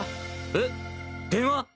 えっ電話？